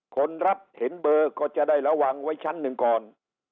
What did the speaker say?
คนรับเห็นเบอร์ก็จะได้ระวังไว้ชั้นหนึ่งก่อน